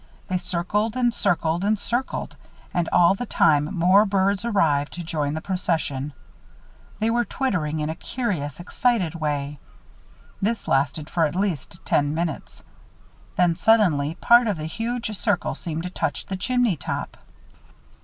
They circled and circled and circled; and all the time more birds arrived to join the procession. They were twittering in a curious, excited way. This lasted for at least ten minutes. Then, suddenly, part of the huge circle seemed to touch the chimney top.